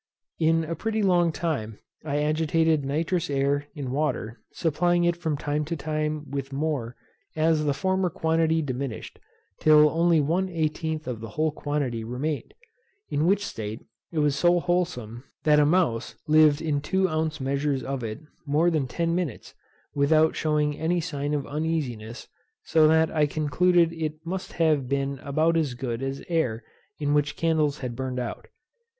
In a pretty long time I agitated nitrous air in water, supplying it from time to time with more, as the former quantity diminished, till only one eighteenth of the whole quantity remained; in which state it was so wholesome, that a mouse lived in two ounce measures of it more than ten minutes, without shewing any sign of uneasiness; so that I concluded it must have been about as good as air in which candles had burned out.